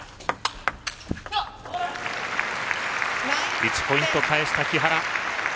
１ポイント返した、木原。